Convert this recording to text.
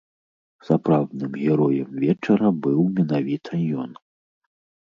Сапраўдным героем вечара быў менавіта ён.